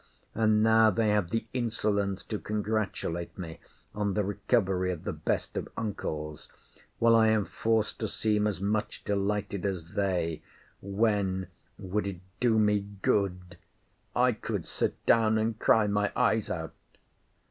And now they have the insolence to congratulate me on the recovery of the best of uncles; while I am forced to seem as much delighted as they, when, would it do me good, I could sit down and cry my eyes out.